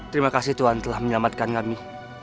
terima kasih tuhan telah menyelamatkan kami